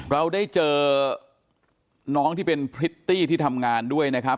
เราได้เจอน้องที่เป็นพริตตี้ที่ทำงานด้วยนะครับ